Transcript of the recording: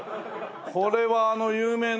これはあの有名なね